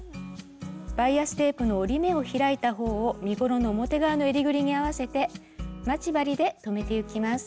バイアステープの折り目を開いた方を身ごろの表側の襟ぐりに合わせて待ち針で留めてゆきます。